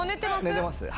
寝てます。